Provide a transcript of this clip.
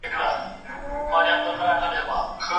را جلا له خپلي مېني را پردېس له خپلي ځالي